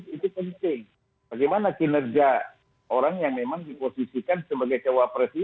itu penting bagaimana kinerja orang yang memang diposisikan sebagai cawapres ini